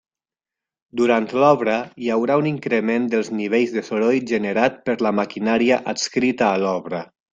Durant l'obra hi haurà un increment dels nivells de soroll generat per la maquinària adscrita a l'obra.